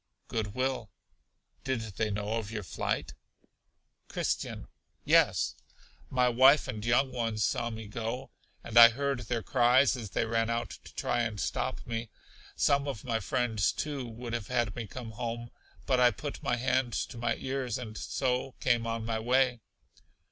Good will. Did they know of your flight? Christian. Yes, my wife and young ones saw me go, and I heard their cries as they ran out to try and stop me. Some of my friends, too, would have had me come home, but I put my hands to my ears, and so came on my way.